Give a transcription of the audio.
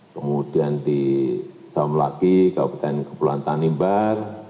kemudian di saum laki kabupaten kepulauan tanimbar